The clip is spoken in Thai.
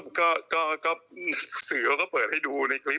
เปิดสือให้ดูคลิบ